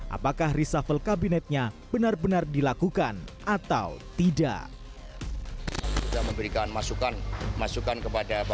apakah reshuffle kabinetnya benar benar dilakukan atau tidak